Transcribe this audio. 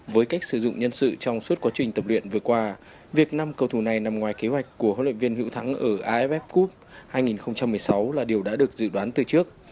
với cách sử dụng nhân sự trong suốt quá trình tập luyện vừa qua việc năm cầu thủ này nằm ngoài kế hoạch của huấn luyện viên hữu thắng ở aff cup hai nghìn một mươi sáu là điều đã được dự đoán từ trước